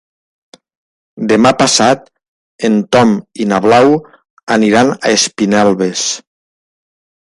Demà passat en Tom i na Blau aniran a Espinelves.